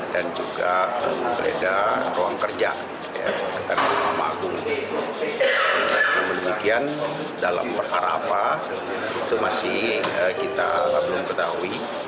dalam perkara apa itu masih kita belum ketahui